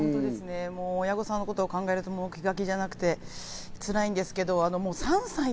親御さんのことを考えると、気が気じゃなくて辛いんですけど。